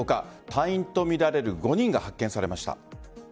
隊員とみられる５人が発見されました。